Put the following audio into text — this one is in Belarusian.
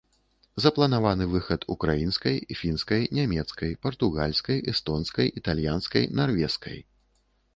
Запланаваны выхад ўкраінскай, фінскай, нямецкай, партугальскай, эстонскай, італьянскай, нарвежскай.